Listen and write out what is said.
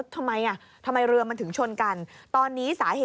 ทำไมเรือมันถึงชนกัน